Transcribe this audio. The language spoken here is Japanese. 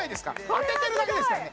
当ててるだけですからね